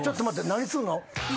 何するの？